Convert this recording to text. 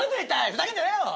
ふざけんじゃねぇよ！